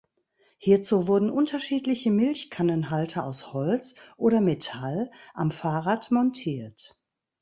Hierzu wurden unterschiedliche Milchkannenhalter aus Holz oder Metall am Fahrrad montiert.